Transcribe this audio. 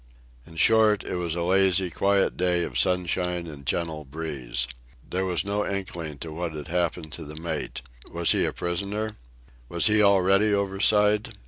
In short, it was a lazy, quiet day of sunshine and gentle breeze. There was no inkling to what had happened to the mate. Was he a prisoner? Was he already overside?